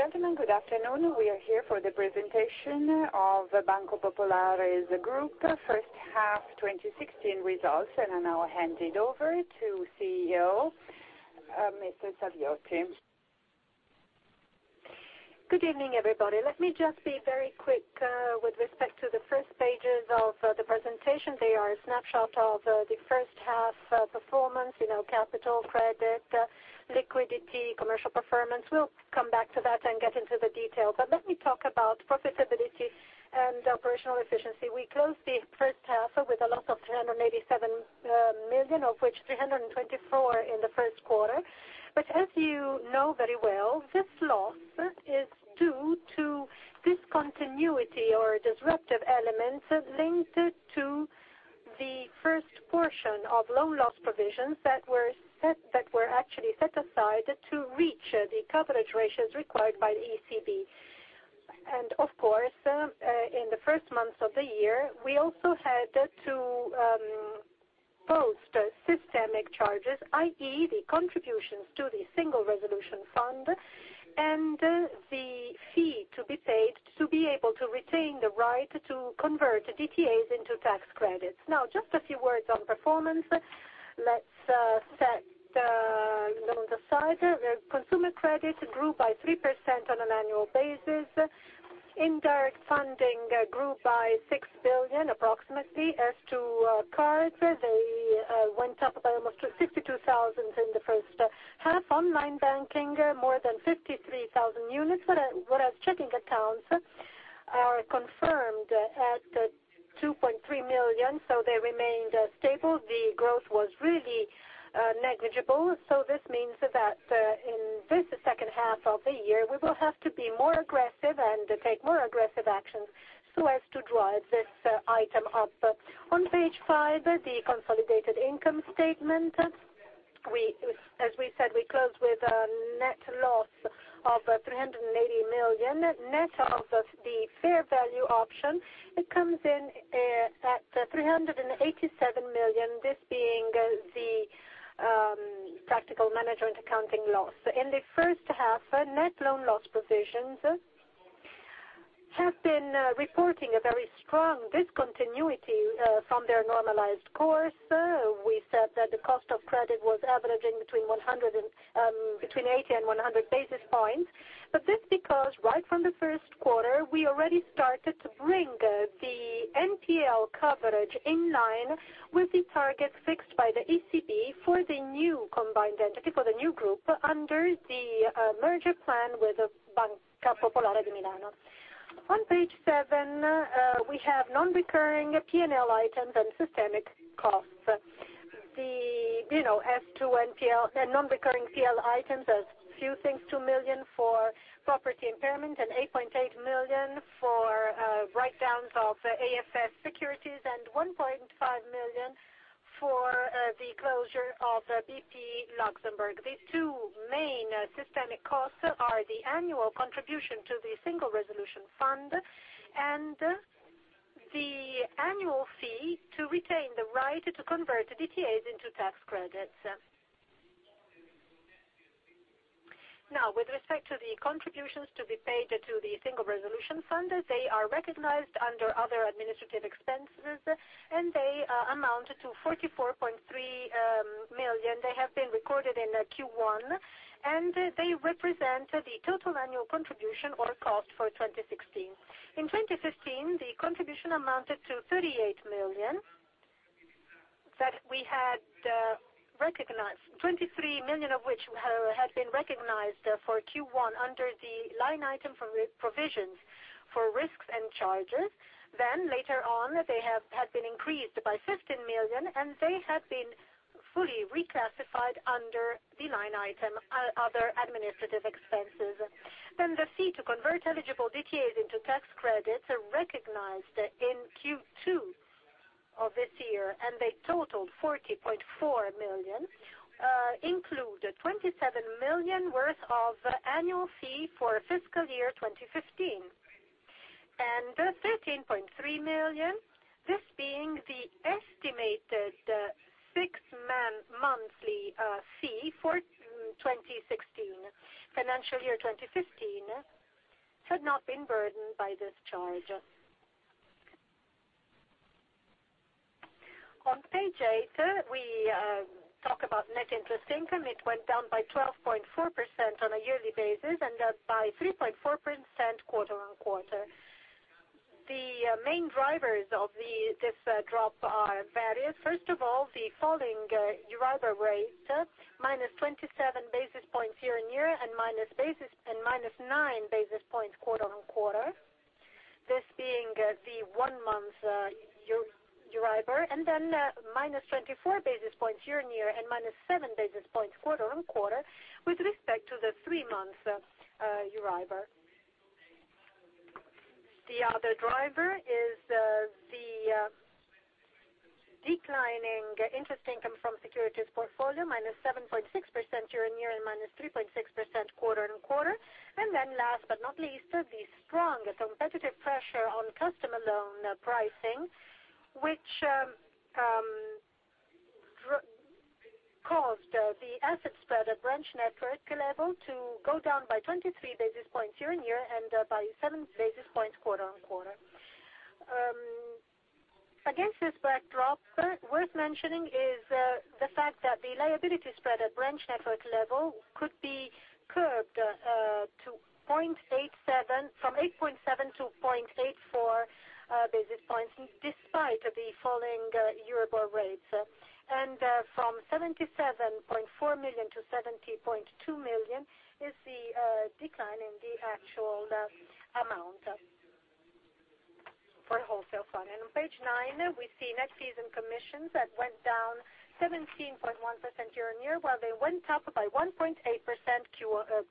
Ladies and gentlemen, good afternoon. We are here for the presentation of Banco Popolare Group first half 2016 results. I now hand it over to CEO, Mr. Saviotti. Good evening, everybody. Let me just be very quick with respect to the first pages of the presentation. They are a snapshot of the first half performance, capital, credit, liquidity, commercial performance. We'll come back to that and get into the details, but let me talk about profitability and operational efficiency. We closed the first half with a loss of 387 million, of which 324 in the first quarter. As you know very well, this loss is due to discontinuity or disruptive elements linked to the first portion of loan loss provisions that were actually set aside to reach the coverage ratios required by the ECB. Of course, in the first months of the year, we also had to post systemic charges, i.e., the contributions to the Single Resolution Fund and the fee to be paid to be able to retain the right to convert DTAs into tax credits. Now, just a few words on performance. Let's set those aside. Consumer credit grew by 3% on an annual basis. Indirect funding grew by 6 billion, approximately. As to cards, they went up by almost 62,000 in the first half. Online banking, more than 53,000 units. Whereas checking accounts are confirmed at 2.3 million. They remained stable. The growth was really negligible. This means that in this second half of the year, we will have to be more aggressive and take more aggressive actions so as to drive this item up. On page five, the consolidated income statement. As we said, we closed with a net loss of 380 million, net of the fair value option. It comes in at 387 million, this being the practical management accounting loss. In the first half, net loan loss provisions have been reporting a very strong discontinuity from their normalized course. We said that the cost of credit was averaging between 80 and 100 basis points, this because right from the first quarter, we already started to bring the NPL coverage in line with the target fixed by the ECB for the new combined entity, for the new group, under the merger plan with Banca Popolare di Milano. On page seven, we have non-recurring P&L items and systemic costs. As to non-recurring P&L items, a few things, 2 million for property impairment, 8.8 million for write-downs of AFS securities, and 1.5 million for the closure of BP Luxembourg. The two main systemic costs are the annual contribution to the Single Resolution Fund and the annual fee to retain the right to convert DTAs into tax credits. With respect to the contributions to be paid to the Single Resolution Fund, they are recognized under other administrative expenses, and they amount to 44.3 million. They have been recorded in Q1, and they represent the total annual contribution or cost for 2016. In 2015, the contribution amounted to 38 million that we had recognized, 23 million of which had been recognized for Q1 under the line item for provisions for risks and charges. Later on, they had been increased by 15 million, and they had been fully reclassified under the line item, "Other administrative expenses." The fee to convert eligible DTAs into tax credits are recognized in Q2 of this year, and they totaled 40.4 million, include 27 million worth of annual fee for fiscal year 2015. 13.3 million, this being the estimated six-monthly fee for 2016. Financial year 2015 had not been burdened by this charge. On page eight, we talk about net interest income. It went down by 12.4% on a yearly basis and by 3.4% quarter-on-quarter. The main drivers of this drop are various. First of all, the falling EURIBOR rate, minus 27 basis points year-on-year and minus nine basis points quarter-on-quarter. This being the one-month EURIBOR, minus 24 basis points year-on-year and minus seven basis points quarter-on-quarter with respect to the three-month EURIBOR. The other driver is the declining interest income from securities portfolio, minus 7.6% year-on-year and minus 3.6% quarter-on-quarter. Last but not least, the strong competitive pressure on customer loan pricing, which caused the asset spread at branch network level to go down by 23 basis points year-on-year and by seven basis points quarter-on-quarter. Against this backdrop, worth mentioning is the fact that the liability spread at branch network level could be curbed from 8.7 to 0.84 basis points, despite the falling EURIBOR rates. From 77.4 million to 70.2 million is the decline in the actual amount for wholesale funding. On page nine, we see net fees and commissions that went down 17.1% year-on-year, while they went up by 1.8%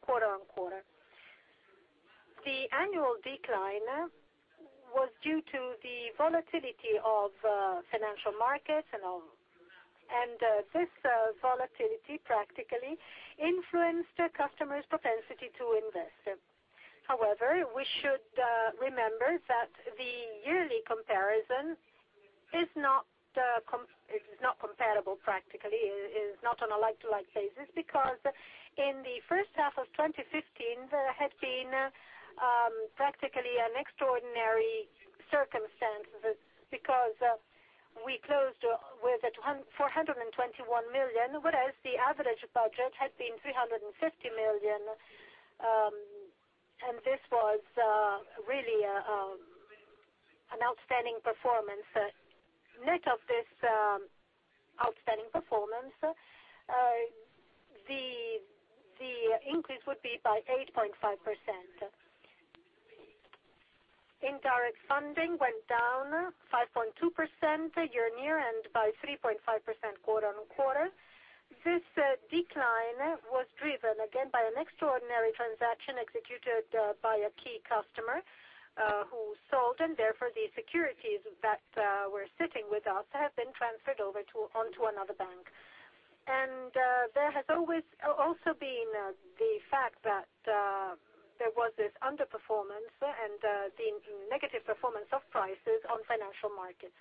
quarter-on-quarter. The annual decline was due to the volatility of financial markets, and this volatility practically influenced customers' propensity to invest. However, we should remember that the yearly comparison is not comparable practically. It is not on a like-to-like basis, because in the first half of 2015, there had been practically an extraordinary circumstance, because we closed with 421 million, whereas the average budget had been 350 million. This was really an outstanding performance. Net of this outstanding performance, the increase would be by 8.5%. Indirect funding went down 5.2% year-on-year and by 3.5% quarter-on-quarter. This decline was driven again by an extraordinary transaction executed by a key customer who sold, and therefore the securities that were sitting with us have been transferred over onto another bank. There has also been the fact that there was this underperformance and the negative performance of prices on financial markets.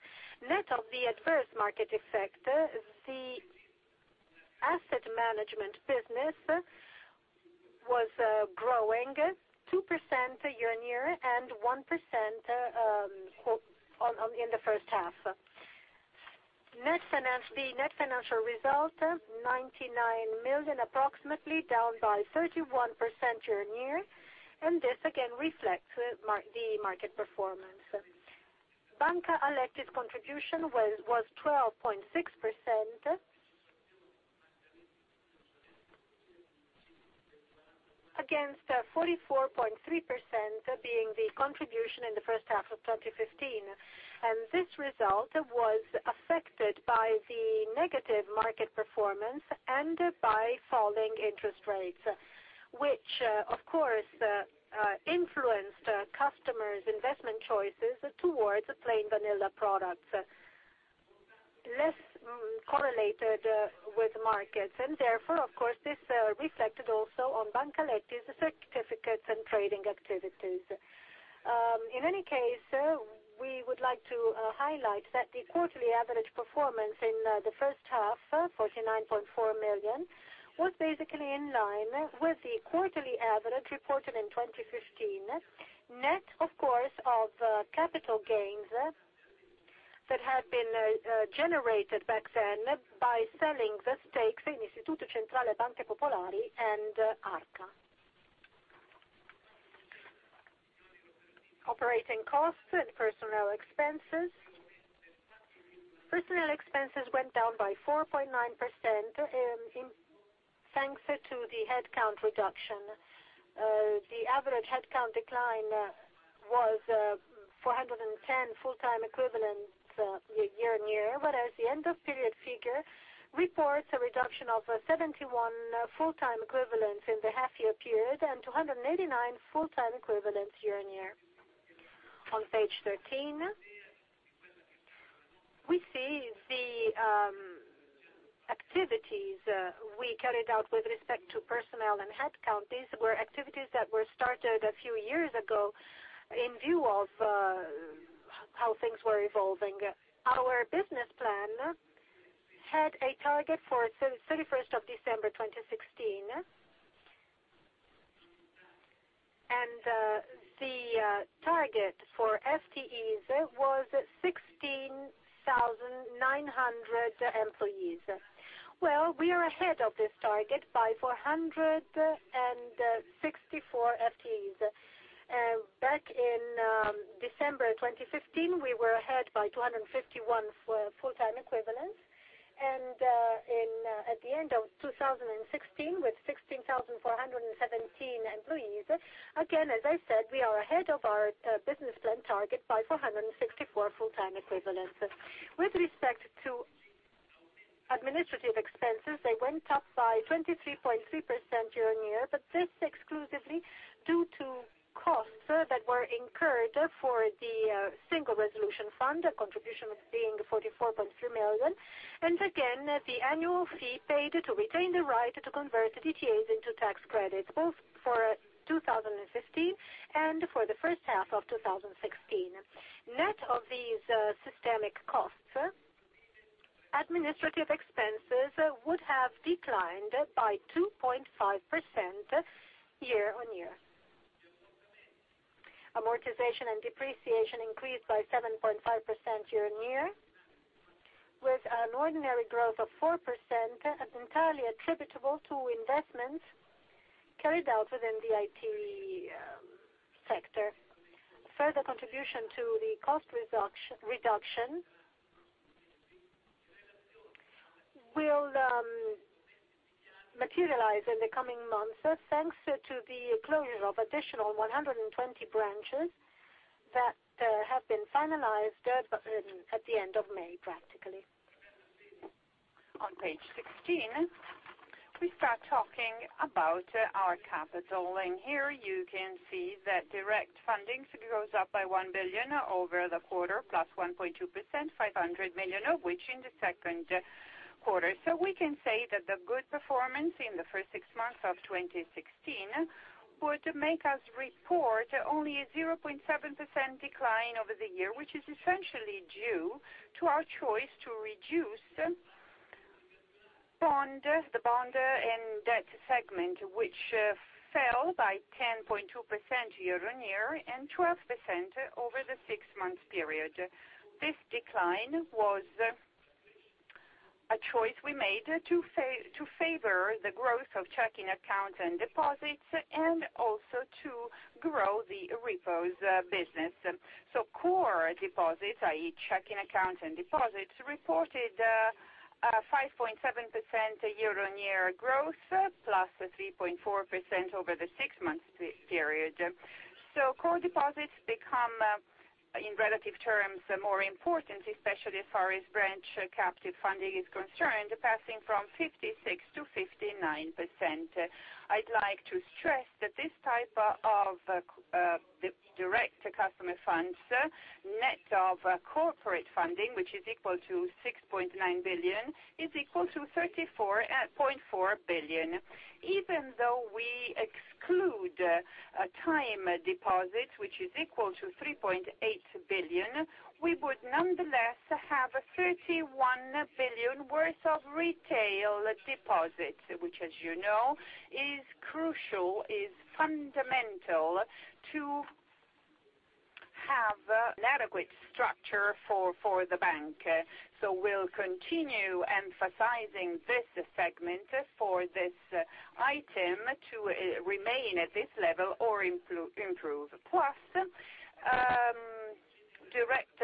Net of the adverse market effect, the asset management business was growing 2% year-on-year and 1% in the first half. The net financial result, 99 million approximately, down by 31% year-on-year. This again reflects the market performance. Banca Aletti's contribution was 12.6% against 44.3% being the contribution in the first half of 2015. This result was affected by the negative market performance and by falling interest rates, which of course influenced customers' investment choices towards plain vanilla products less correlated with markets. Therefore, of course, this reflected also on Banca Aletti's certificates and trading activities. In any case, we would like to highlight that the quarterly average performance in the first half, 49.4 million, was basically in line with the quarterly average reported in 2015, net of course, of capital gains that had been generated back then by selling the stakes in Istituto Centrale Banche Popolari and Arca. Operating costs and personnel expenses. Personnel expenses went down by 4.9% thanks to the headcount reduction. The average headcount decline was 410 full-time equivalents year-on-year, whereas the end of period figure reports a reduction of 71 full-time equivalents in the half-year period and 289 full-time equivalents year-on-year. On page 13, we see the activities we carried out with respect to personnel and headcounts. These were activities that were started a few years ago in view of how things were evolving. Our business plan had a target for 31st of December 2016. The target for FTEs was 16,900 employees. Well, we are ahead of this target by 464 FTEs. Back in December 2015, we were ahead by 251 full-time equivalents. At the end of 2016, with 16,417 employees, again, as I said, we are ahead of our business plan target by 464 full-time equivalents. With respect to administrative expenses, they went up by 23.3% year-on-year, this exclusively due to costs that were incurred for the Single Resolution Fund, the contribution being 44.3 million. Again, the annual fee paid to retain the right to convert DTAs into tax credits, both for 2015 and for the first half of 2016. Net of these systemic costs Administrative expenses would have declined by 2.5% year-on-year. Amortization and depreciation increased by 7.5% year-on-year, with an ordinary growth of 4% entirely attributable to investments carried out within the IT sector. Further contribution to the cost reduction will materialize in the coming months, thanks to the closure of additional 120 branches that have been finalized at the end of May practically. On page 16, we start talking about our capital. Here you can see that direct funding goes up by 1 billion over the quarter, plus 1.2%, 500 million of which in the second quarter. We can say that the good performance in the first six months of 2016 would make us report only a 0.7% decline over the year, which is essentially due to our choice to reduce the bond and debt segment, which fell by 10.2% year-on-year and 12% over the six-month period. This decline was a choice we made to favor the growth of checking accounts and deposits, and also to grow the repos business. Core deposits, i.e. checking accounts and deposits, reported a 5.7% year-on-year growth, plus a 3.4% over the six-month period. Core deposits become, in relative terms, more important, especially as far as branch captive funding is concerned, passing from 56%-59%. I'd like to stress that this type of direct customer funds, net of corporate funding, which is equal to 6.9 billion, is equal to 34.4 billion. Even though we exclude time deposits, which is equal to 3.8 billion, we would nonetheless have 31 billion worth of retail deposits, which as you know, is crucial, is fundamental to have an adequate structure for the bank. We'll continue emphasizing this segment for this item to remain at this level or improve. Plus, direct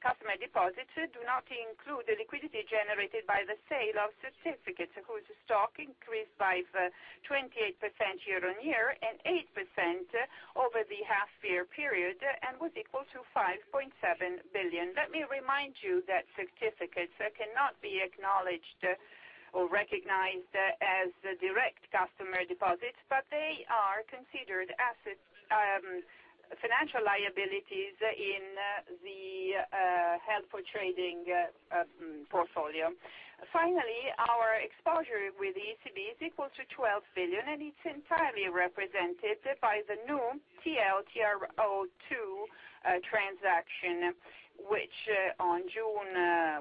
customer deposits do not include the liquidity generated by the sale of certificates, whose stock increased by 28% year-on-year and 8% over the half year period and was equal to 5.7 billion. Let me remind you that certificates cannot be acknowledged or recognized as direct customer deposits, but they are considered financial liabilities in the held-for-trading portfolio. Finally, our exposure with ECB is equal to 12 billion, and it's entirely represented by the new TLTRO II transaction, which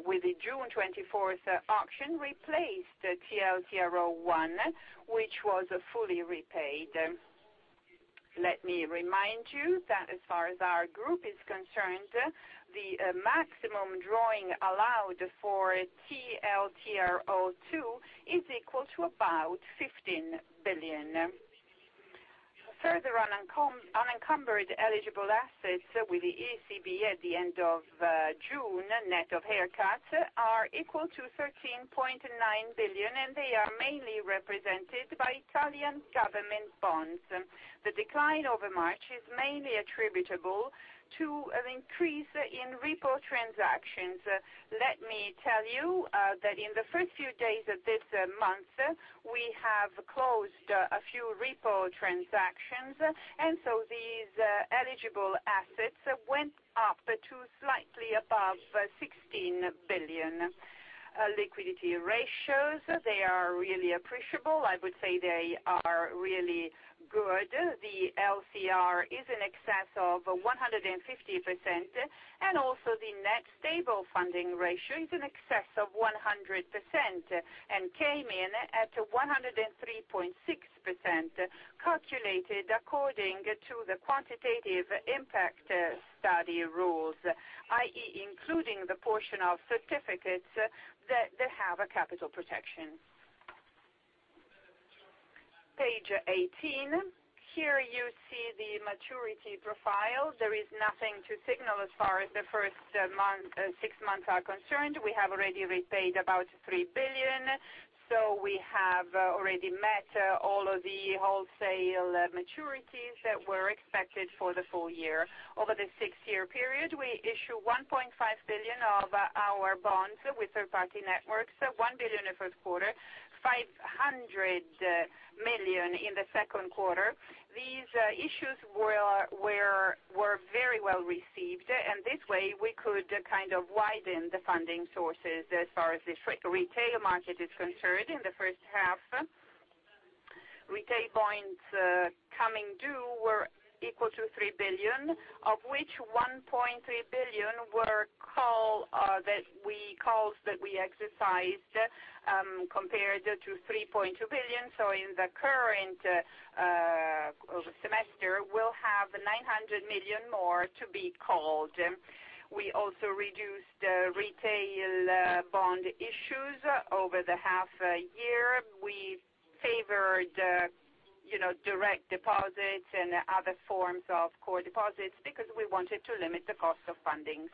with the June 24th auction, replaced the TLTRO I, which was fully repaid. Let me remind you that as far as our group is concerned, the maximum drawing allowed for TLTRO II is equal to about 15 billion. Further unencumbered eligible assets with the ECB at the end of June, net of haircuts, are equal to 13.9 billion, and they are mainly represented by Italian government bonds. The decline over March is mainly attributable to an increase in repo transactions. Let me tell you that in the first few days of this month, we have closed a few repo transactions, and these eligible assets went up to slightly above 16 billion. Liquidity ratios, they are really appreciable. I would say they are really good. The LCR is in excess of 150%, and also the net stable funding ratio is in excess of 100%, and came in at 103.6%, calculated according to the quantitative impact study rules, i.e. including the portion of certificates that have a capital protection. Page 18. Here you see the maturity profile. There is nothing to signal as far as the first six months are concerned. We have already repaid about 3 billion, so we have already met all of the wholesale maturities that were expected for the full year. Over the six-year period, we issue 1.5 billion of our bonds with third party networks, 1 billion in first quarter, 500 million in the second quarter. These issues were very well received, and this way we could kind of widen the funding sources as far as the retail market is concerned in the first half. Retail bonds coming due were equal to 3 billion, of which 1.3 billion were calls that we exercised, compared to 3.2 billion. In the current semester, we'll have 900 million more to be called. We also reduced retail bond issues over the half year. We favored direct deposits and other forms of core deposits because we wanted to limit the cost of fundings.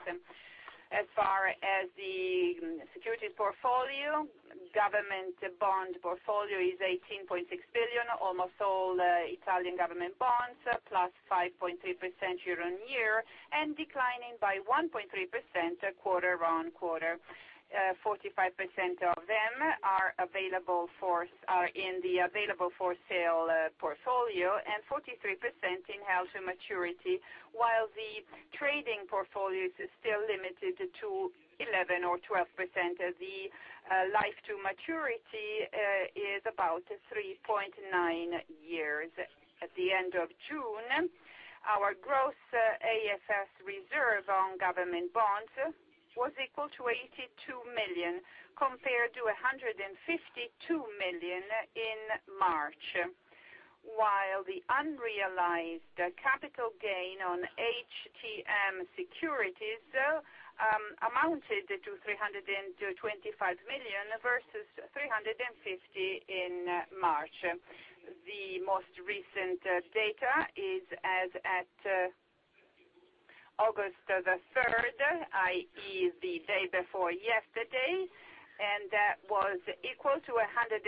As far as the securities portfolio, government bond portfolio is 18.6 billion, almost all Italian government bonds, +5.3% year-on-year and declining by 1.3% quarter-on-quarter. 45% of them are in the available-for-sale portfolio and 43% in held-to-maturity, while the trading portfolio is still limited to 11 or 12%. The life to maturity is about 3.9 years. At the end of June, our gross AFS reserve on government bonds was equal to 82 million, compared to 152 million in March, while the unrealized capital gain on HTM securities amounted to 325 million versus 350 million in March. The most recent data is as at August 3rd, i.e., the day before yesterday, that was equal to 116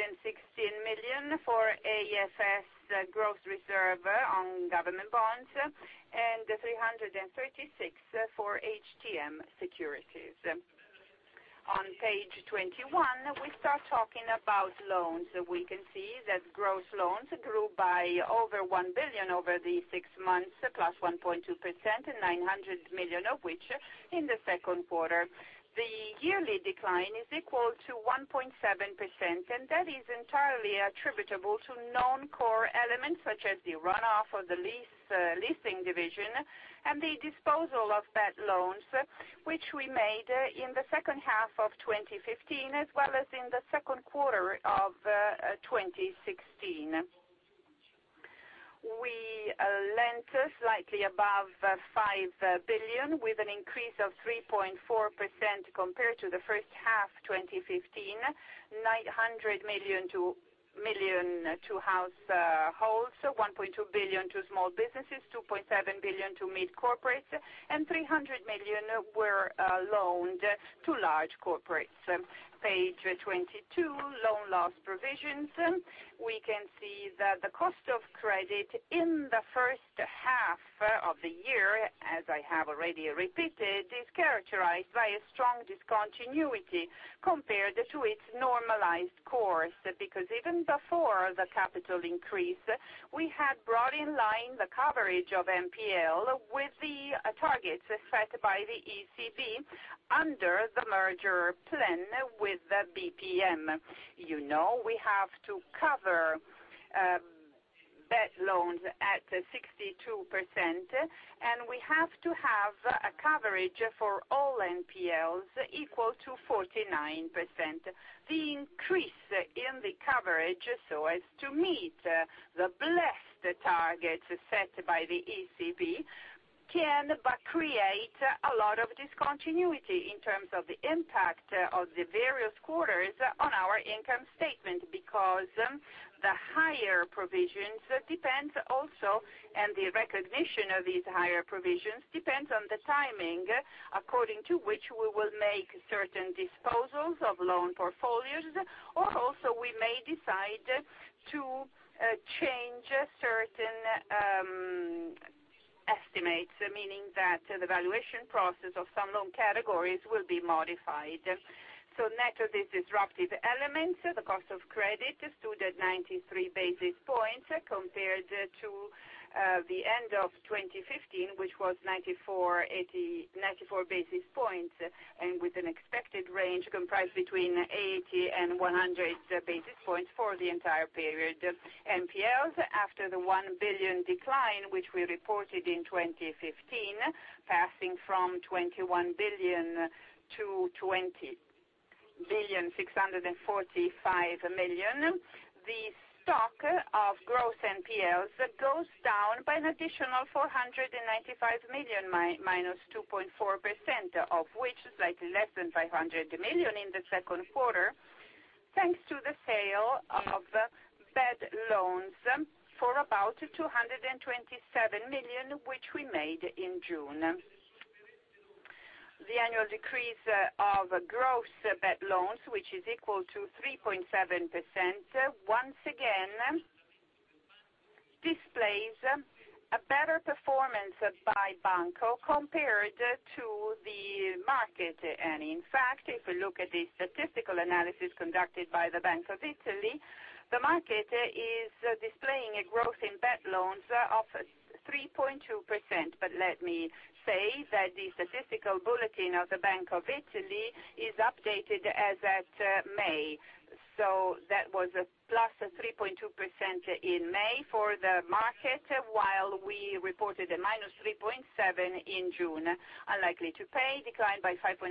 million for AFS gross reserve on government bonds and 336 million for HTM securities. On page 21, we start talking about loans. We can see that gross loans grew by over 1 billion over the six months, +1.2%, 900 million of which in the second quarter. The yearly decline is equal to 1.7%, that is entirely attributable to non-core elements such as the runoff of the leasing division and the disposal of bad loans, which we made in the second half of 2015 as well as in the second quarter of 2016. We lent slightly above 5 billion with an increase of 3.4% compared to the first half 2015, 900 million to households, 1.2 billion to small businesses, 2.7 billion to mid corporates, and 300 million were loaned to large corporates. Page 22, loan loss provisions. We can see that the cost of credit in the first half of the year, as I have already repeated, is characterized by a strong discontinuity compared to its normalized course, because even before the capital increase, we had brought in line the coverage of NPL with the targets set by the ECB under the merger plan with the BPM. You know, we have to cover bad loans at 62%. We have to have a coverage for all NPLs equal to 49%. The increase in the coverage so as to meet the blessed targets set by the ECB can but create a lot of discontinuity in terms of the impact of the various quarters on our income statement, because the higher provisions depend also, and the recognition of these higher provisions, depends on the timing according to which we will make certain disposals of loan portfolios, or also we may decide to change certain estimates, meaning that the valuation process of some loan categories will be modified. Net of these disruptive elements, the cost of credit stood at 93 basis points compared to the end of 2015, which was 94 basis points, with an expected range comprised between 80 and 100 basis points for the entire period. NPLs, after the 1 billion decline, which we reported in 2015, passing from 21 billion to 20,645 million, the stock of gross NPLs goes down by an additional 495 million, -2.4%, of which slightly less than 500 million in the second quarter, thanks to the sale of bad loans for about 227 million, which we made in June. The annual decrease of gross bad loans, which is equal to 3.7%, once again displays a better performance by Banco compared to the market. In fact, if we look at the statistical analysis conducted by the Bank of Italy, the market is displaying a growth in bad loans of 3.2%, but let me say that the statistical bulletin of the Bank of Italy is updated as at May. That was a +3.2% in May for the market, while we reported a -3.7% in June. Unlikely-to-pay declined by 5.9%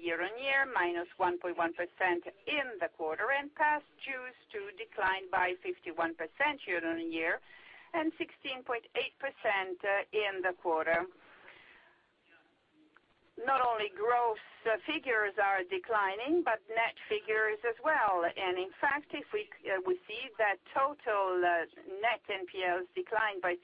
year-on-year, -1.1% in the quarter. Past due to decline by 51% year-on-year, 16.8% in the quarter. Not only growth figures are declining, but net figures as well. In fact, if we see that total net NPLs declined by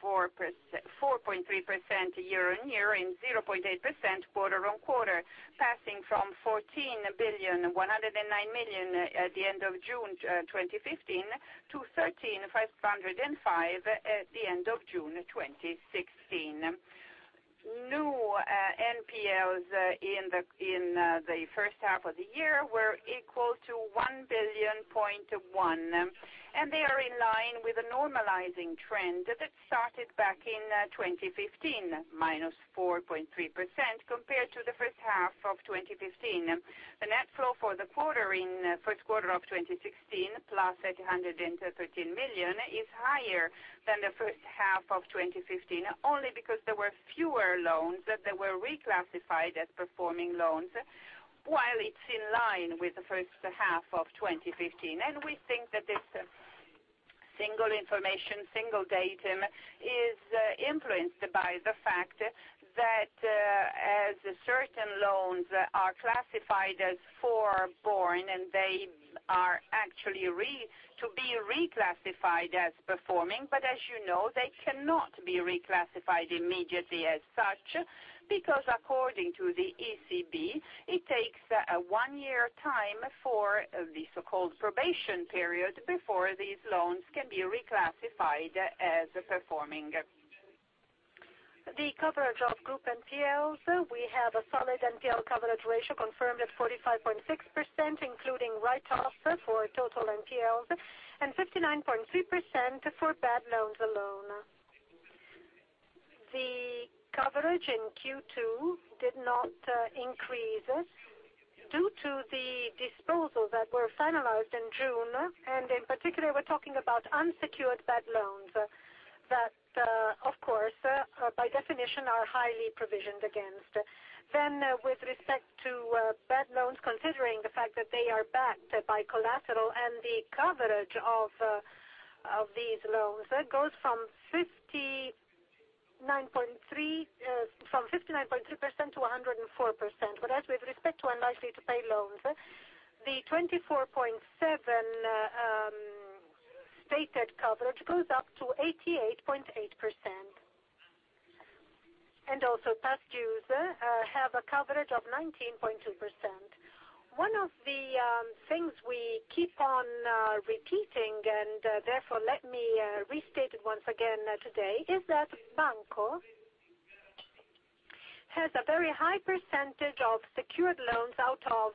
4.3% year-on-year and 0.8% quarter-on-quarter, passing from 14,109 million at the end of June 2015 to 13,505 million at the end of June 2016. New NPLs in the first half of the year were equal to 1.1 billion, and they are in line with a normalizing trend that started back in 2015, -4.3% compared to the first half of 2015. The net flow for the first quarter of 2016, +813 million, is higher than the first half of 2015, only because there were fewer loans that were reclassified as performing loans, while it's in line with the first half of 2015. We think that this single information, single datum, is influenced by the fact that as certain loans are classified as forborne, and they are actually to be reclassified as performing, but as you know, they cannot be reclassified immediately as such, because according to the ECB, it takes a one-year time for the so-called probation period before these loans can be reclassified as performing. The coverage of group NPLs, we have a solid NPL coverage ratio confirmed at 45.6%, including write-offs for total NPLs, and 59.3% for bad loans alone. The coverage in Q2 did not increase due to the disposals that were finalized in June, and in particular, we're talking about unsecured bad loans, that, of course, by definition, are highly provisioned against. With respect to bad loans, considering the fact that they are backed by collateral and the coverage of these loans goes from 59.3% to 104%. Whereas with respect to unlikely-to-pay loans, the 24.7% stated coverage goes up to 88.8%. Also past due have a coverage of 19.2%. One of the things we keep on repeating, and therefore, let me restate it once again today, is that Banco has a very high percentage of secured loans out of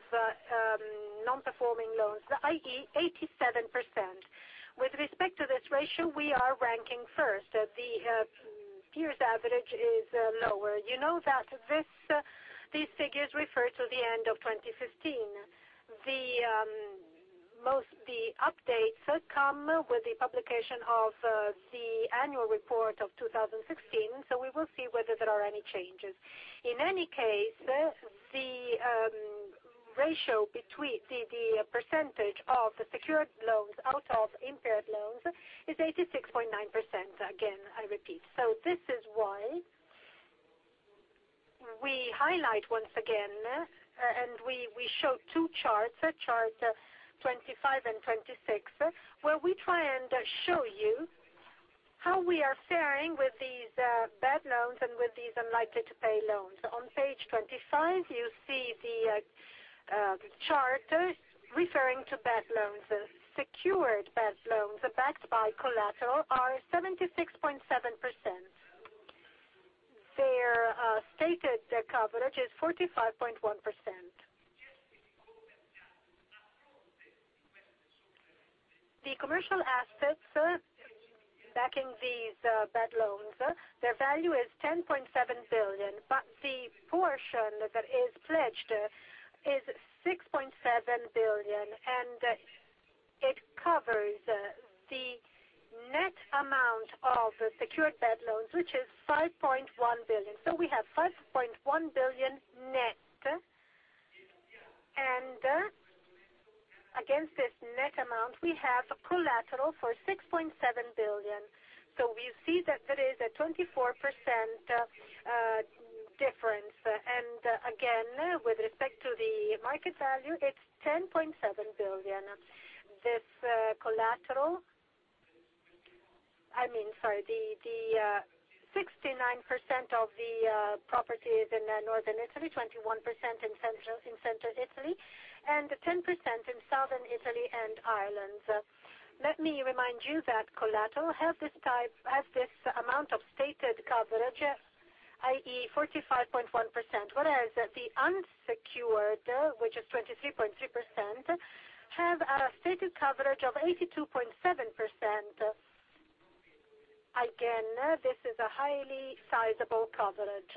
non-performing loans, i.e., 87%. With respect to this ratio, we are ranking first. The peers average is lower. You know that these figures refer to the end of 2015. Most the updates come with the publication of the annual report of 2016, we will see whether there are any changes. In any case, the percentage of the secured loans out of impaired loans is 86.9%, again, I repeat. This is why we highlight once again, and we show two charts, chart 25 and 26, where we try and show you how we are fairing with these bad loans and with these unlikely-to-pay loans. On page 25, you see the chart referring to bad loans. Secured bad loans, backed by collateral, are 76.7%. Their stated coverage is 45.1%. The commercial assets backing these bad loans, their value is 10.7 billion, but the portion that is pledged is 6.7 billion, and it covers the net amount of secured bad loans, which is 5.1 billion. We have 5.1 billion net, and against this net amount, we have collateral for 6.7 billion. We see that there is a 24% difference. Again, with respect to the market value, it's 10.7 billion. This collateral, I mean, sorry, the 69% of the property is in Northern Italy, 21% in Central Italy, and 10% in Southern Italy and Islands. Let me remind you that collateral has this amount of stated coverage I.e., 45.1%, whereas the unsecured, which is 23.3%, have a stated coverage of 82.7%. Again, this is a highly sizable coverage.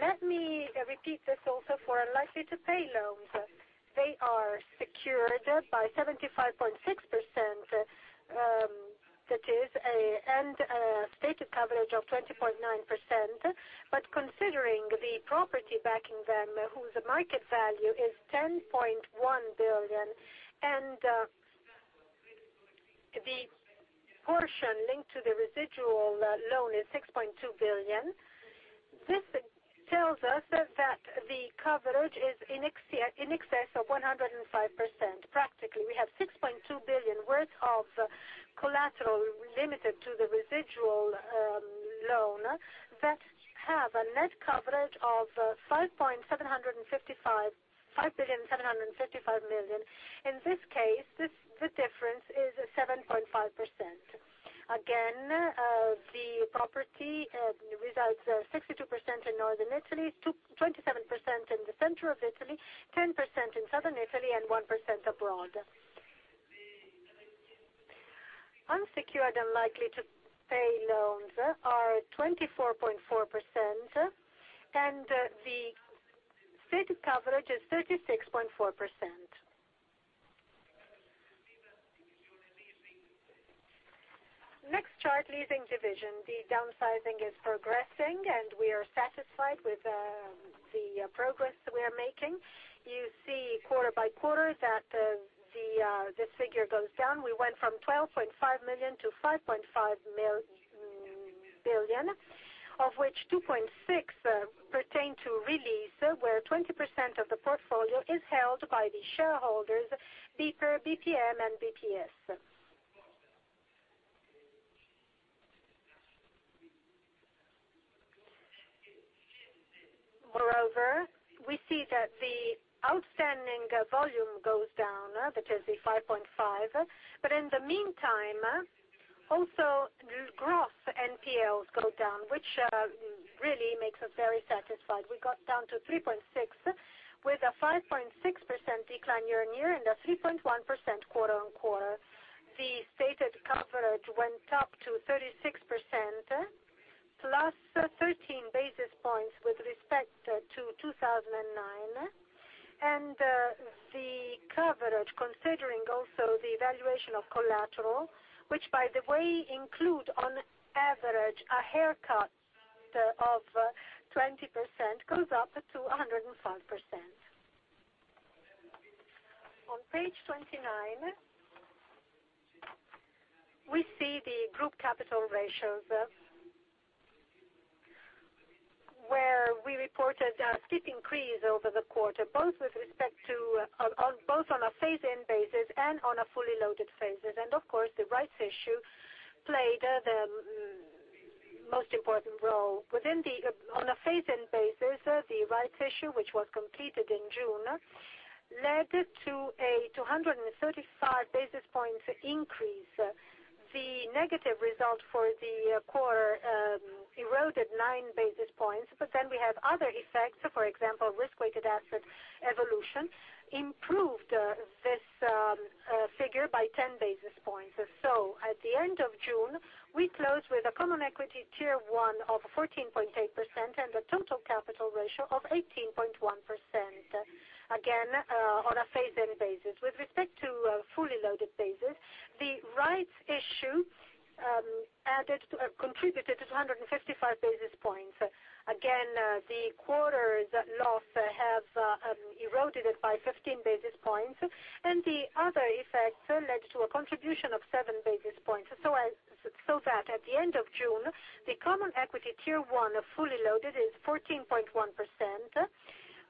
Let me repeat this also for unlikely-to-pay loans. They are secured by 75.6%, that is, and a stated coverage of 20.9%, but considering the property backing them, whose market value is 10.1 billion, and the portion linked to the residual loan is 6.2 billion. This tells us that the coverage is in excess of 105%. Practically, we have 6.2 billion worth of collateral limited to the residual loan that have a net coverage of 5,755,000,000. In this case, the difference is 7.5%. Again, the property results are 62% in Northern Italy, 27% in Central Italy, 10% in Southern Italy, and 1% abroad. Unsecured unlikely-to-pay loans are 24.4%, and the stated coverage is 36.4%. Next chart, leasing division. The downsizing is progressing, and we are satisfied with the progress we are making. You see quarter-by-quarter that this figure goes down. We went from 12.5 million to 5.5 billion, of which 2.6 pertain to Release, where 20% of the portfolio is held by the shareholders, BPER, BPM, and BPS. We see that the outstanding volume goes down, that is the 5.5. In the meantime, also gross NPLs go down, which really makes us very satisfied. We got down to 3.6 with a 5.6% decline year-on-year and a 3.1% quarter-on-quarter. The stated coverage went up to 36%, plus 13 basis points with respect to 2009. The coverage, considering also the valuation of collateral, which by the way, include on average a haircut of 20%, goes up to 105%. On page 29, we see the group capital ratios, where we reported a steep increase over the quarter, both on a phase-in basis and on a fully loaded basis. The rights issue played the most important role. On a phase-in basis, the rights issue, which was completed in June, led to a 235 basis points increase. The negative result for the quarter eroded nine basis points, but then we have other effects, for example, risk-weighted assets evolution improved this figure by 10 basis points. So at the end of June, we closed with a common equity Tier One of 14.8% and a total capital ratio of 18.1%, again, on a phase-in basis. With respect to a fully loaded basis, the rights issue contributed to 155 basis points. The quarter's loss have eroded it by 15 basis points, and the other effects led to a contribution of seven basis points. So that at the end of June, the common equity Tier One fully loaded is 14.1%,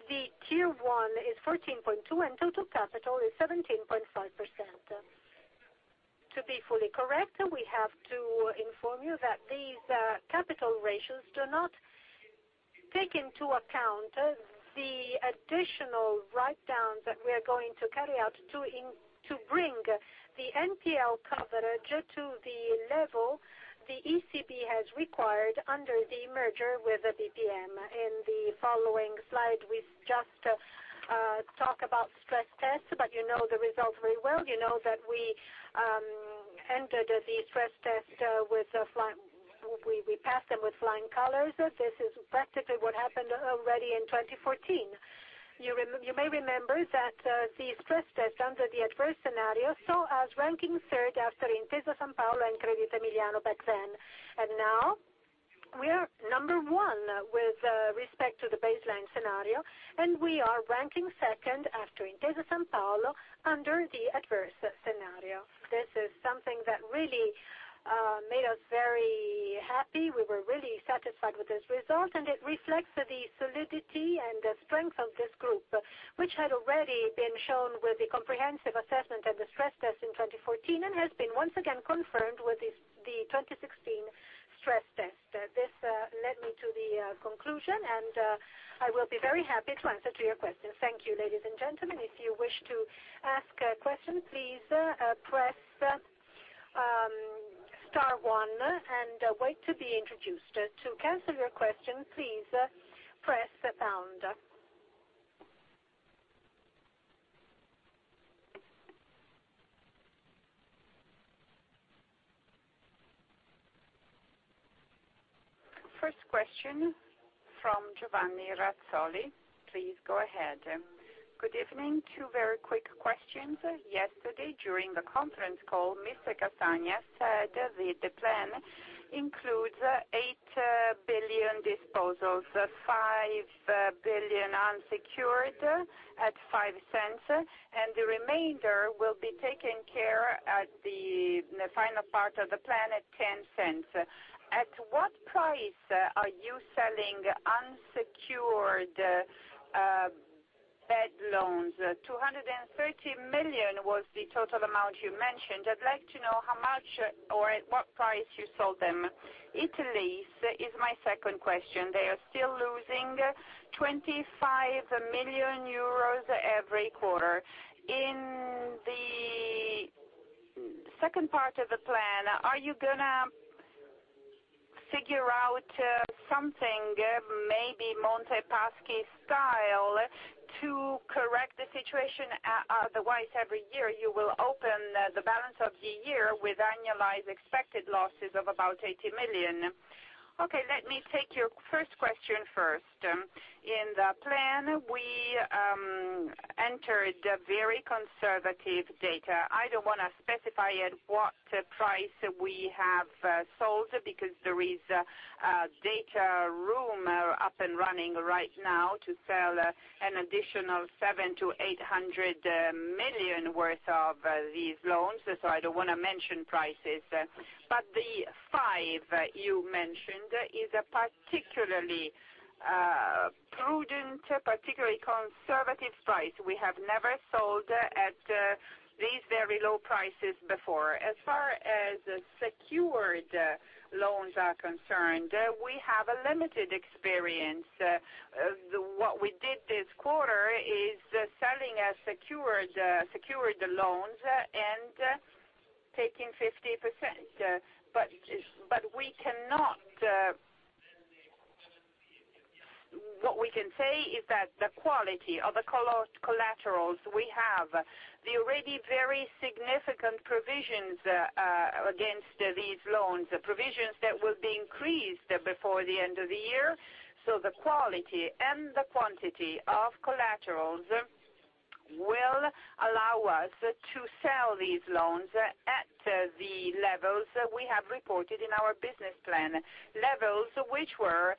the Tier One is 14.2%, and total capital is 17.5%. To be fully correct, we have to inform you that these capital ratios do not take into account the additional write-downs that we are going to carry out to bring the NPL coverage to the level the ECB has required under the merger with the BPM. In the following slide, we just talk about stress tests, but you know the results very well. You know that we passed them with flying colors. This is practically what happened already in 2014. You may remember that the stress test under the adverse scenario saw us ranking third after Intesa Sanpaolo and Credito Emiliano back then. Now we are number one with respect to the baseline scenario, and we are ranking second after Intesa Sanpaolo under the adverse scenario. This is something that really made us very happy. We were really satisfied with this result, and it reflects the solidity and the strength of this group, which had already been shown with the comprehensive assessment and the stress test in 2014 and has been once again confirmed with the 2016 stress test. This led me to the conclusion, and I will be very happy to answer to your questions. Thank you, ladies and gentlemen. If you wish to ask a question, please press Star one and wait to be introduced. To cancel your question, please press pound. First question from Giovanni Razzoli. Please go ahead. Good evening, two very quick questions. Yesterday, during the conference call, Mr. Castagna said the plan includes 8 billion disposals, 5 billion unsecured at 0.05, and the remainder will be taken care at the final part of the plan at 0.10. At what price are you selling unsecured bad loans? 230 million was the total amount you mentioned. I'd like to know how much or at what price you sold them. Italease is my second question. They are still losing 25 million euros every quarter. In the second part of the plan, are you going to figure out something, maybe Monte dei Paschi style, to correct the situation? Otherwise, every year you will open the balance of the year with annualized expected losses of about 80 million. Let me take your first question first. In the plan, we entered very conservative data. I don't want to specify at what price we have sold because there is a data room up and running right now to sell an additional 700 million-800 million worth of these loans. I don't want to mention prices. The 5 you mentioned is a particularly prudent, particularly conservative price. We have never sold at these very low prices before. As far as secured loans are concerned, we have a limited experience. What we did this quarter is selling secured loans and taking 50%. What we can say is that the quality of the collaterals we have, the already very significant provisions against these loans, provisions that will be increased before the end of the year. The quality and the quantity of collaterals will allow us to sell these loans at the levels we have reported in our business plan, levels which were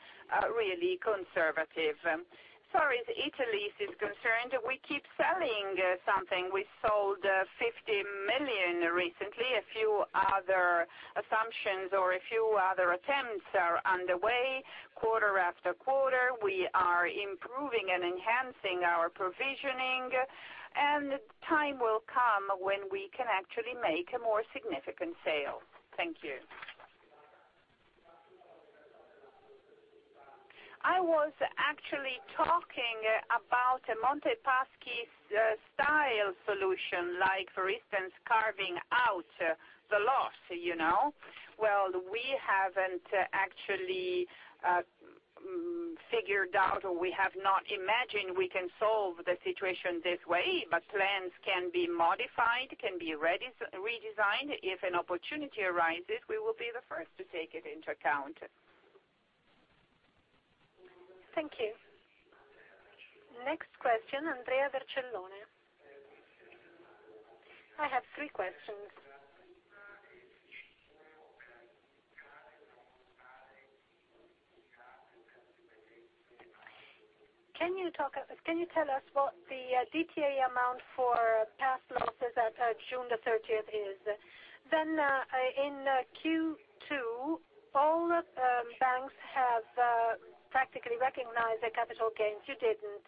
really conservative. As far as Italease is concerned, we keep selling something. We sold 50 million recently. A few other assumptions or a few other attempts are underway quarter after quarter. We are improving and enhancing our provisioning. Time will come when we can actually make a more significant sale. Thank you. I was actually talking about a Monte dei Paschi style solution, like for instance, carving out the loss. We haven't actually figured out or we have not imagined we can solve the situation this way, but plans can be modified, can be redesigned. If an opportunity arises, we will be the first to take it into account. Thank you. Next question, Andrea Vercellone. I have three questions. Can you tell us what the DTA amount for past losses at June 30th is? In Q2, all banks have practically recognized the capital gains. You didn't.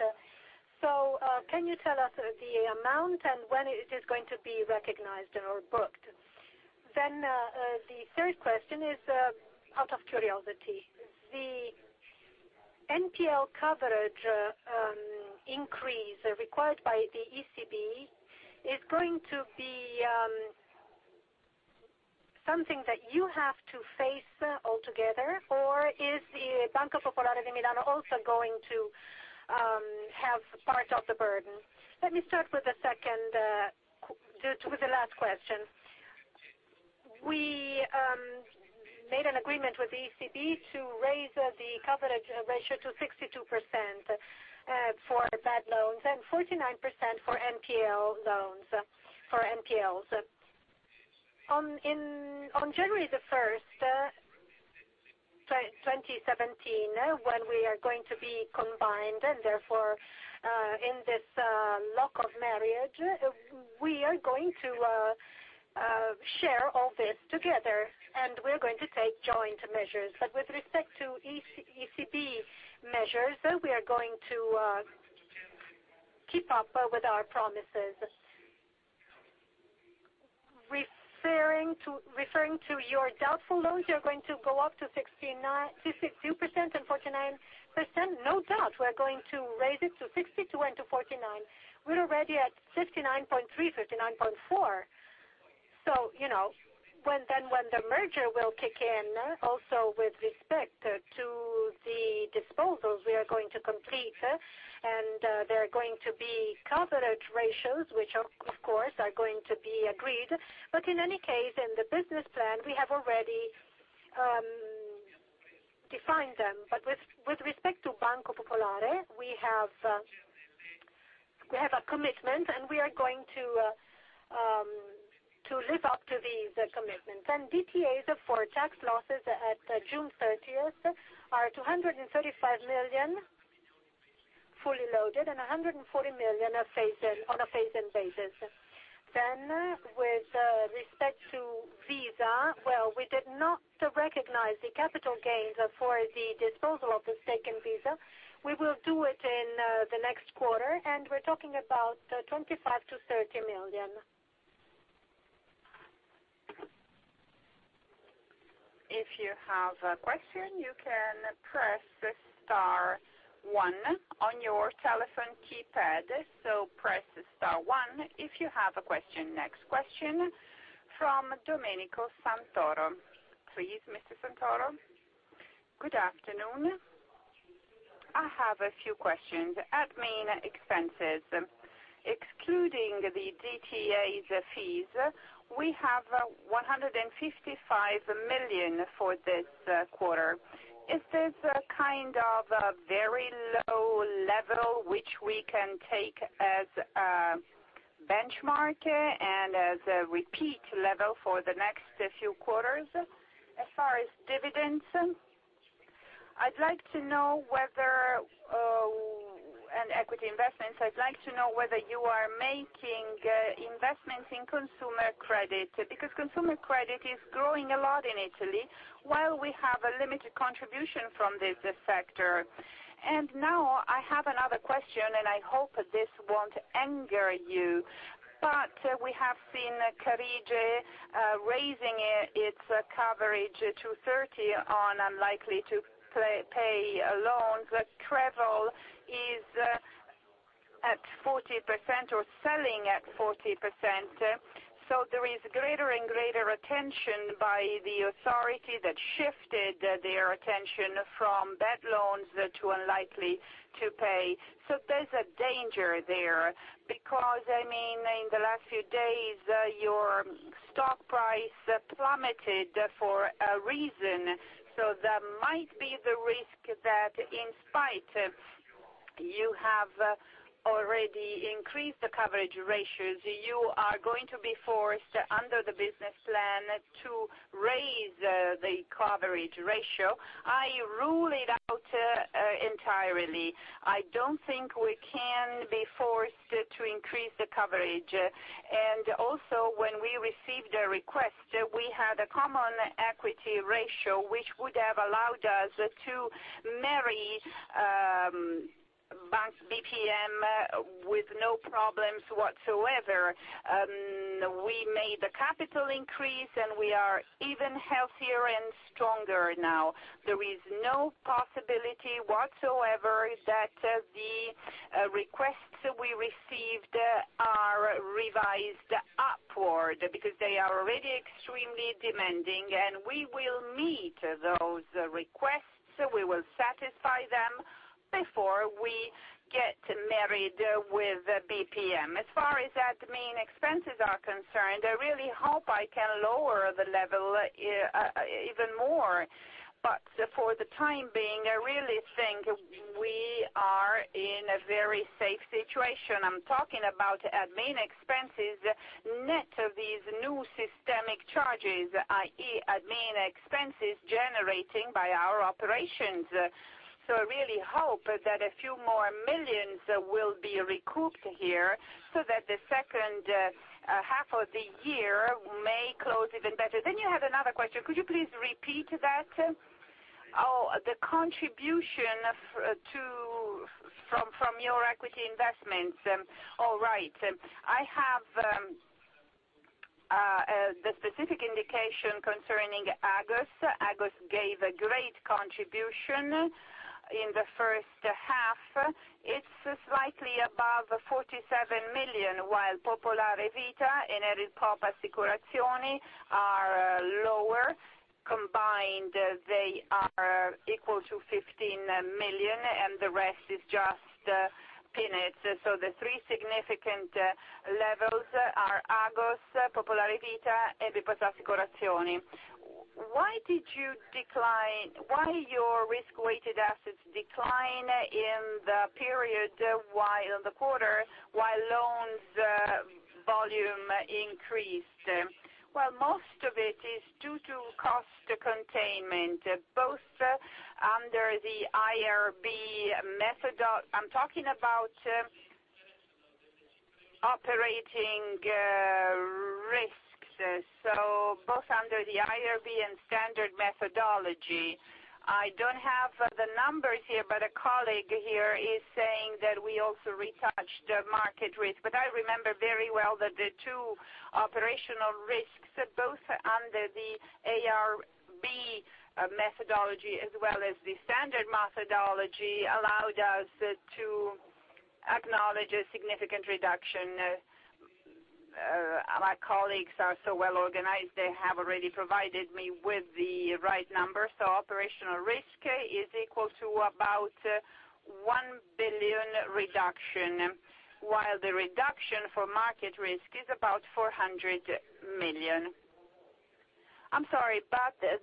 Can you tell us the amount and when it is going to be recognized or booked? The third question is out of curiosity. The NPL coverage increase required by the ECB is going to be something that you have to face altogether, or is the Banco Popolare di Milano also going to have part of the burden? Let me start with the last question. We made an agreement with the ECB to raise the coverage ratio to 62% for bad loans and 49% for NPL loans, for NPLs. On January 1, 2017, when we are going to be combined, in this lock of marriage, we are going to share all this together. We are going to take joint measures. With respect to ECB measures, we are going to keep up with our promises. Referring to your doubtful loans, you are going to go up to 62% and 49%? No doubt. We are going to raise it to 62% and to 49%. We're already at 69.3%, 69.4%. When the merger will kick in, also with respect to the disposals we are going to complete, there are going to be coverage ratios, which of course are going to be agreed. In any case, in the business plan, we have already defined them. With respect to Banco Popolare, we have a commitment, and we are going to live up to these commitments. DTAs for tax losses at June 30th are 235 million fully loaded and 140 million on a phase-in basis. With respect to Visa, well, we did not recognize the capital gains for the disposal of the stake in Visa. We will do it in the next quarter, and we're talking about 25 million-30 million. If you have a question, you can press star one on your telephone keypad. Press star one if you have a question. Next question from Domenico Santoro. Please, Mr. Santoro. Good afternoon. I have a few questions. Admin expenses. Excluding the DTAs fees, we have 155 million for this quarter. Is this a kind of very low level, which we can take as a benchmark and as a repeat level for the next few quarters? As far as dividends and equity investments, I'd like to know whether you are making investments in consumer credit, because consumer credit is growing a lot in Italy while we have a limited contribution from this sector. Now I have another question, and I hope this won't anger you, but we have seen Carige raising its coverage to 30% on unlikely-to-pay loans. Write-offs is at 40% or selling at 40%. There is greater and greater attention by the authority that shifted their attention from bad loans to unlikely to pay. There's a danger there because in the last few days, your stock price plummeted for a reason. There might be the risk that in spite you have already increased the coverage ratios, you are going to be forced under the business plan to raise the coverage ratio. I rule it out entirely. I don't think we can be forced to increase the coverage. Also, when we received a request, we had a common equity ratio, which would have allowed us to marry Banca BPM with no problems whatsoever. We made the capital increase, and we are even healthier and stronger now. There is no possibility whatsoever that the requests we received are revised upward because they are already extremely demanding, and we will meet those requests. We will satisfy them before we get married with BPM. As far as admin expenses are concerned, I really hope I can lower the level even more. For the time being, I really think we are in a very safe situation. I am talking about admin expenses, net of these new systemic charges, i.e., admin expenses generating by our operations. I really hope that a few more millions will be recouped here so that the second half of the year may close even better. You had another question. Could you please repeat that? The contribution from your equity investments. All right. I have the specific indication concerning Agos. Agos gave a great contribution in the first half. It is slightly above 47 million, while Popolare Vita and Avipop Assicurazioni are lower. Combined, they are equal to 15 million, and the rest is just peanuts. The three significant levels are Agos, Popolare Vita, and Avipop Assicurazioni. Why your risk-weighted assets decline in the period while in the quarter, while loans volume increased? Most of it is due to cost containment, both under the IRB method. I am talking about operating risks. Both under the IRB and standard methodology. I don't have the numbers here, but a colleague here is saying that we also retouched market risk. I remember very well that the two operational risks, both under the IRB methodology as well as the standard methodology, allowed us to acknowledge a significant reduction. My colleagues are so well organized, they have already provided me with the right numbers. Operational risk is equal to about 1 billion reduction, while the reduction for market risk is about 400 million. I am sorry, but the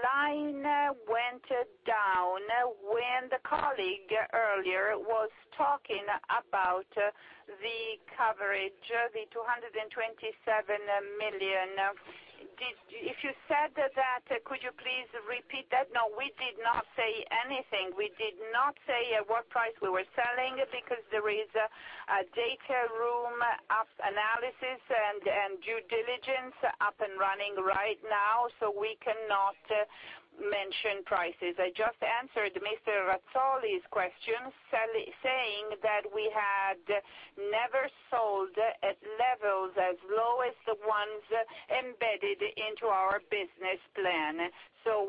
line went down when the colleague earlier was talking about the coverage of the 227 million. If you said that, could you please repeat that? No, we did not say anything. We did not say at what price we were selling because there is a data room analysis and due diligence up and running right now, so we cannot mention prices. I just answered Mr. Razzoli's question, saying that we had never sold at levels as low as the ones embedded into our business plan.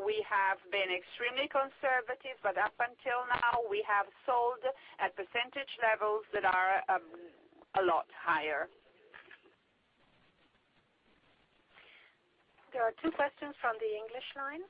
We have been extremely conservative, but up until now, we have sold at percentage levels that are a lot higher. There are two questions from the English line.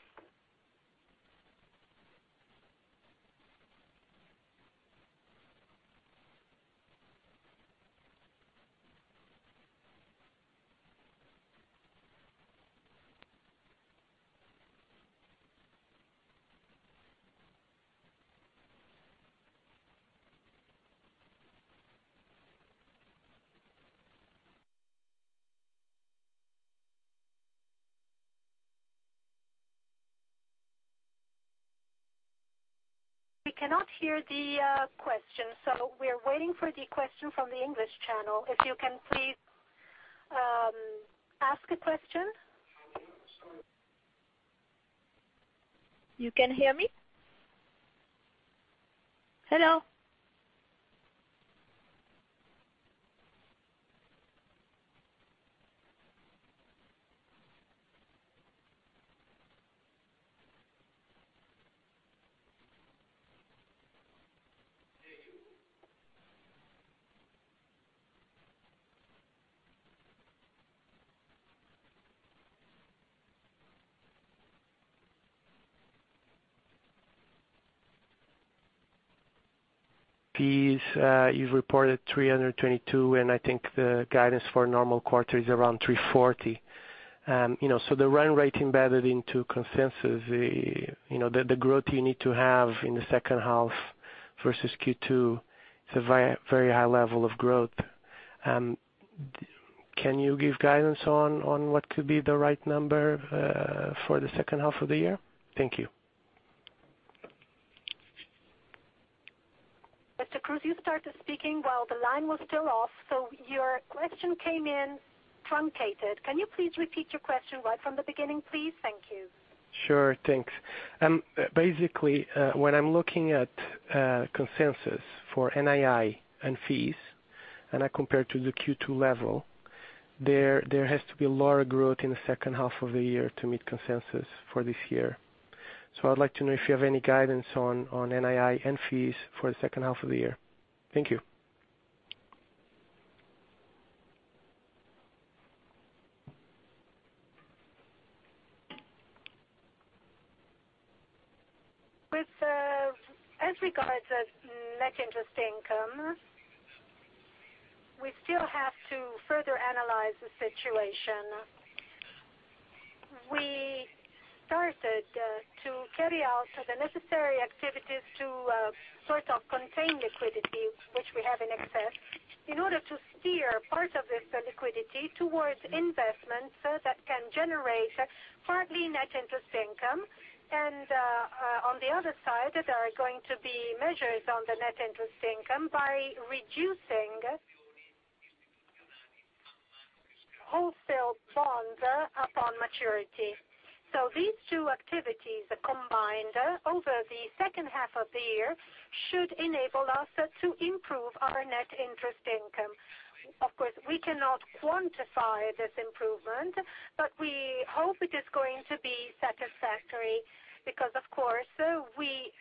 We cannot hear the question, so we are waiting for the question from the English channel. If you can please ask a question. You can hear me? Hello? Fees, you have reported 322 and I think the guidance for a normal quarter is around 340. The run rate embedded into consensus, the growth you need to have in the second half versus Q2, it is a very high level of growth. Can you give guidance on what could be the right number for the second half of the year? Thank you. Mr. Cruz, you started speaking while the line was still off. Your question came in truncated. Can you please repeat your question right from the beginning, please? Thank you. Sure. Thanks. Basically, when I am looking at consensus for NII and fees, I compare to the Q2 level, there has to be lower growth in the second half of the year to meet consensus for this year. I would like to know if you have any guidance on NII and fees for the second half of the year. Thank you. As regards net interest income, we still have to further analyze the situation. We started to carry out the necessary activities to sort of contain liquidity, which we have in excess, in order to steer part of this liquidity towards investments that can generate partly net interest income. On the other side, there are going to be measures on the net interest income by reducing wholesale bonds upon maturity. These two activities combined over the second half of the year should enable us to improve our net interest income. Of course, we cannot quantify this improvement, but we hope it is going to be satisfactory because, of course, we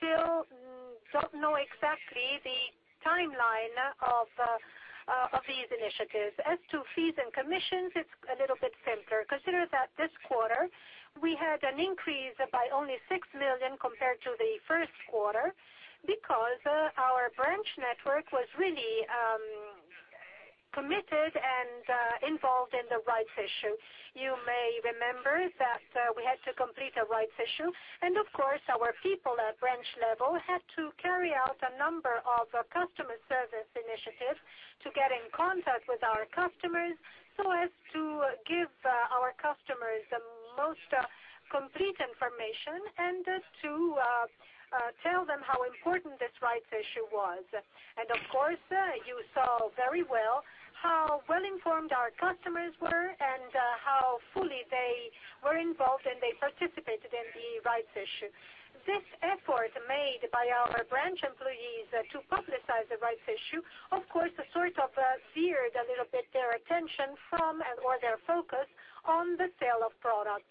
still do not know exactly the timeline of these initiatives. As to fees and commissions, it is a little bit simpler. Consider that this quarter we had an increase by only 6 million compared to the first quarter because our branch network was really committed and involved in the rights issue. You may remember that we had to complete a rights issue. Of course, our people at branch level had to carry out a number of customer service initiatives to get in contact with our customers so as to give our customers the most complete information and to tell them how important this rights issue was. Of course, you saw very well how well-informed our customers were and how fully they were involved, and they participated in the rights issue. This effort made by our branch employees to publicize the rights issue, of course, sort of veered a little bit their attention from and/or their focus on the sale of products.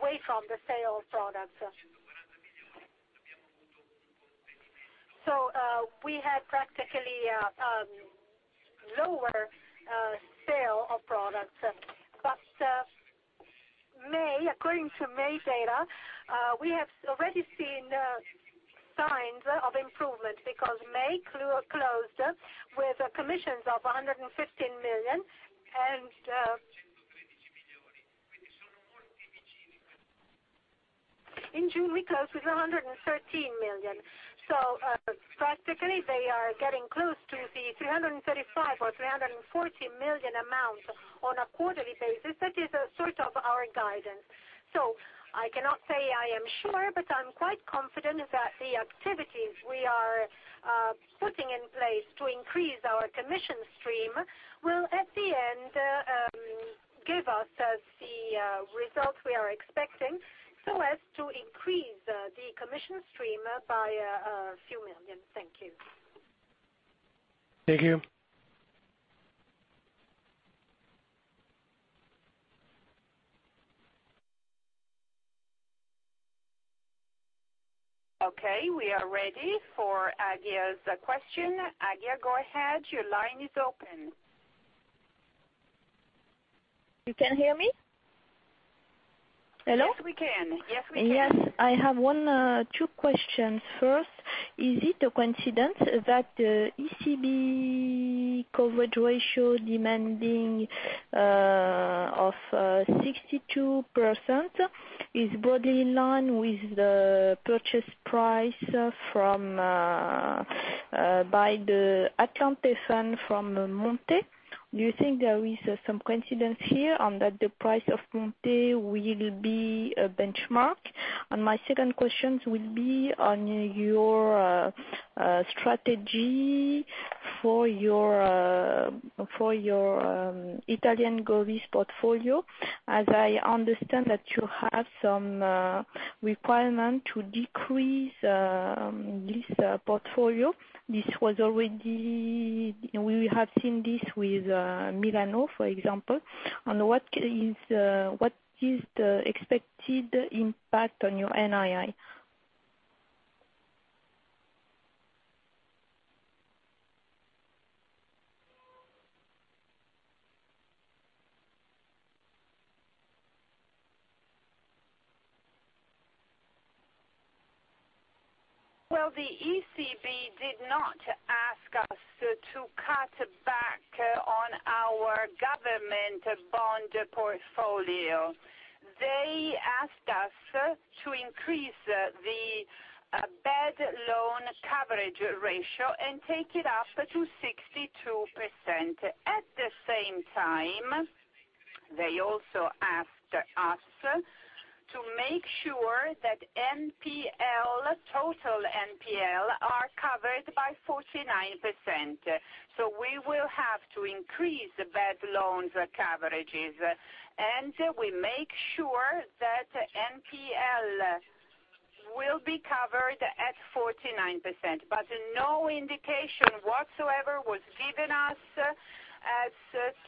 Away from the sale of products. We had practically a lower sale of products. According to May data, we have already seen signs of improvement because May closed with commissions of 115 million and in June we closed with 113 million. Practically they are getting close to the 335 million or 340 million amount on a quarterly basis. That is sort of our guidance. I cannot say I am sure, but I'm quite confident that the activities we are putting in place to increase our commission stream will, at the end, give us the results we are expecting so as to increase the commission stream by a few million. Thank you. Thank you. Okay. We are ready for Agia's question. Agia, go ahead. Your line is open. You can hear me? Hello? Yes, we can. Yes. I have two questions. First, is it a coincidence that ECB coverage ratio demanding of 62% is broadly in line with the purchase price by the Atlante fund from Monte? Do you think there is some coincidence here on that the price of Monte will be a benchmark? My second question will be on your strategy for your Italian govies portfolio, as I understand that you have some requirement to decrease this portfolio. We have seen this with Milano, for example. What is the expected impact on your NII? Well, the ECB did not ask us to cut back on our government bond portfolio. They asked us to increase the bad loan coverage ratio and take it up to 62%. At the same time, they also asked us to make sure that total NPL are covered by 49%. We will have to increase bad loans coverages, and we make sure that NPL will be covered at 49%. No indication whatsoever was given us as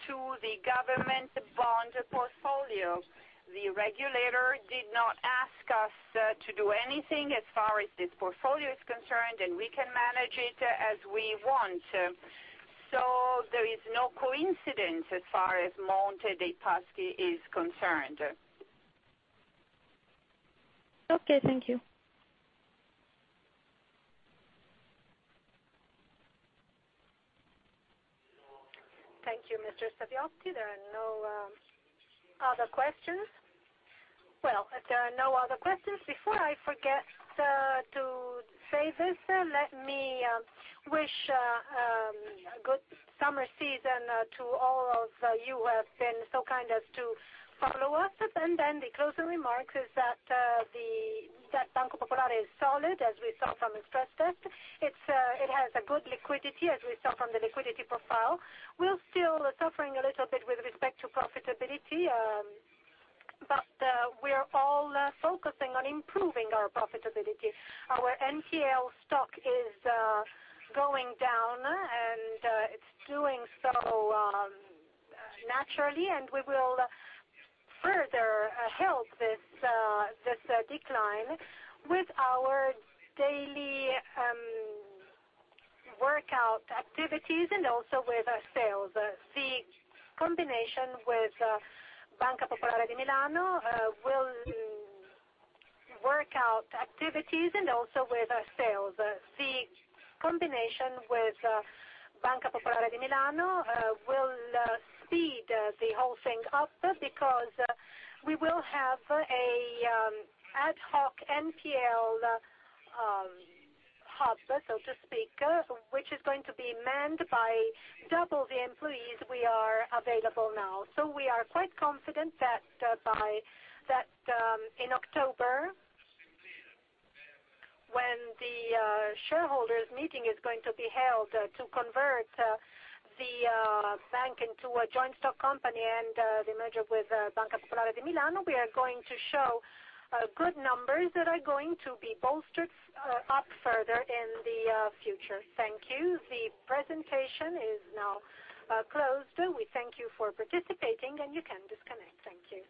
to the government bond portfolio. The regulator did not ask us to do anything as far as this portfolio is concerned, and we can manage it as we want. There is no coincidence as far as Monte dei Paschi is concerned. Okay. Thank you. Thank you, Mr. Saviotti. There are no other questions. Well, if there are no other questions, before I forget to say this, let me wish a good summer season to all of you who have been so kind as to follow us. The closing remarks is that Banco Popolare is solid, as we saw from the stress test. It has a good liquidity, as we saw from the liquidity profile. We're still suffering a little bit with respect to profitability. We are all focusing on improving our profitability. Our NPL stock is going down, and it's doing so naturally, and we will further help this decline with our daily workout activities and also with our sales. The combination with Banca Popolare di Milano will speed the whole thing up because we will have an ad hoc NPL hub, so to speak, which is going to be manned by double the employees we are available now. We are quite confident that in October, when the shareholders meeting is going to be held to convert the bank into a joint stock company and the merger with Banca Popolare di Milano, we are going to show good numbers that are going to be bolstered up further in the future. Thank you. The presentation is now closed. We thank you for participating, and you can disconnect. Thank you.